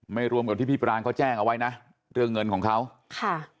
ไม่ร่วมกับที่พี่บรานก็แจ้งเอาไว้นะเดือนเงินของเขาค่ะ